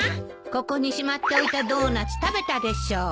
ここにしまっておいたドーナツ食べたでしょ。